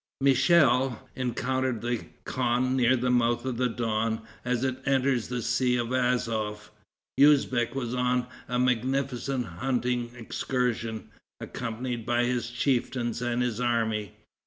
Michel encountered the khan near the mouth of the Don, as it enters the Sea of Azof. Usbeck was on a magnificent hunting excursion, accompanied by his chieftains and his army.